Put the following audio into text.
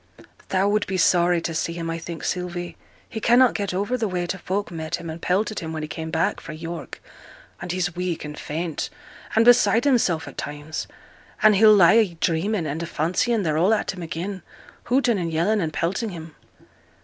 'Thou would be sorry to see him, I think, Sylvie. He cannot get over the way, t' folk met him, and pelted him when he came back fra' York, and he's weak and faint, and beside himself at times; and he'll lie a dreaming, and a fancying they're all at him again, hooting, and yelling, and pelting him.'